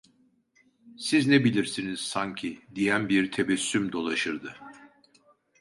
Siz ne bilirsiniz sanki? diyen bir tebessüm dolaşırdı.